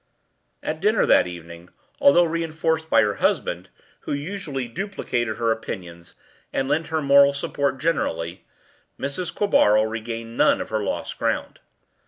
At dinner that evening, although reinforced by her husband, who usually duplicated her opinions and lent her moral support generally, Mrs. Quabarl regained none of her lost ground.